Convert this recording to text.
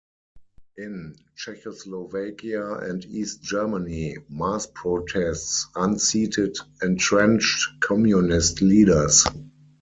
In Czechoslovakia and East Germany, mass protests unseated entrenched communist leaders.